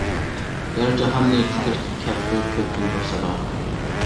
يەر-جاھاننى تىترىتىپ، كەپتۇ كۆكتىن بىر سادا.